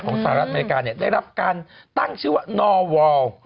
สหรัฐอเมริกาเนี่ยได้รับการตั้งชื่อว่านวล